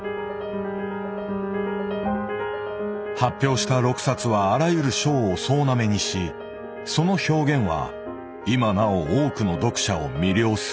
発表した６冊はあらゆる賞を総ナメにしその表現は今なお多くの読者を魅了する。